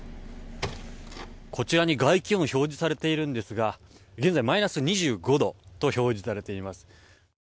こちらに外気温が表示されているんですが現在、マイナス２５度と表示されています。